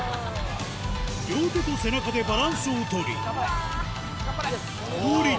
両手と背中でバランスを取り頑張れ！